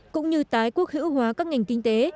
cũng như tái quốc hữu hóa các ngành kinh tế